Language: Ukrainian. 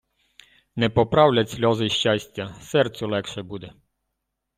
Не поправлять сльози щастя, серцю легше буде